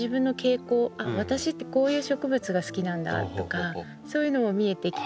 私ってこういう植物が好きなんだとかそういうのも見えてきて。